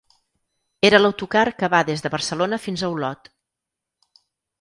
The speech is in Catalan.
Era l'autocar que va des de Barcelona fins a Olot.